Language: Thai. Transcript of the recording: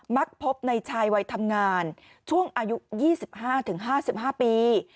มักพบในชายวัยทำงานช่วงอายุ๒๕๕๕ปี